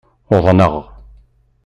Uḍneɣ!